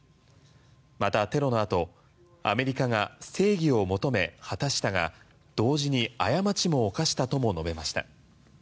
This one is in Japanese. また、テロのあとアメリカが正義を求め果たしたが同時に過ちも犯したと思うと述べました。